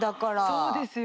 そうですよ。